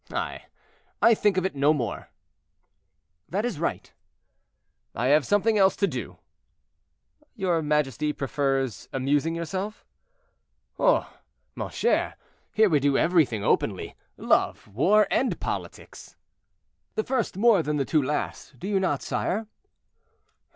"I! I think of it no more." "That is right." "I have something else to do." "Your majesty prefers amusing yourself." "Oh! mon cher, here we do everything openly; love, war, and politics." "The first more than the two last; do you not, sire?"